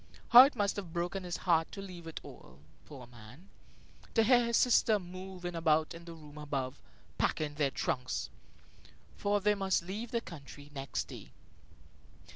How it must have broken his heart to leave it all, poor man; to hear his sister moving about in the room above, packing their trunks! For they must leave the country next day.